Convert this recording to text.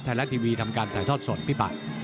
ถ่ายละทีวีทำการถ่ายทอดสดพี่ป่า